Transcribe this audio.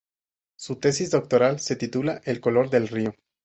Su tesis doctoral se titula El color del río.